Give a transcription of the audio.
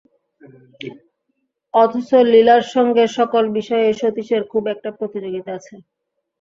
অথচ লীলার সঙ্গে সকল বিষয়েই সতীশের খুব একটা প্রতিযোগিতা আছে।